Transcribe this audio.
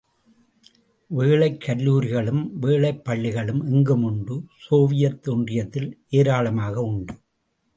வேளைக் கல்லூரிகளும், வேளைப் பள்ளிகளும் எங்குமுண்டு, சோவியத் ஒன்றியத்தில் ஏராளமாக உண்டு.